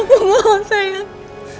sayang ku mau pisah sama kamu